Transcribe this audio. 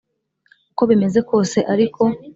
Uko bimeze kose ariko,